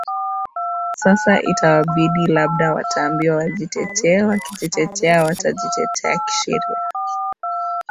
sasa itawabidi labda wataambiwa wajitetee wakijitetea watajitetea kisheria